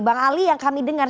bang ali yang kami dengar